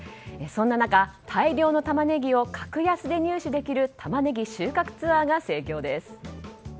そんな中、大量のタマネギを格安で入手できるタマネギ収穫ツアーが盛況です。